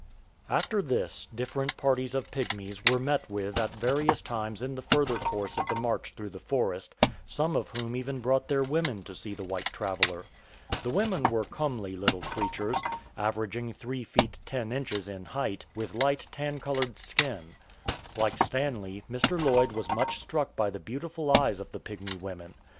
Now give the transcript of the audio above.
y(. After this, different parties of Pygmies were met with at various times in the further course of the march through the forest, some of whom even brought their women to see the white traveller. The women were comely little creatures, averaging 3 feet 10 inches in height, with light tan coloured skin. Like Stanley, Mr. Lloyd was much struck by the beautiful eyes of the Pygmy women.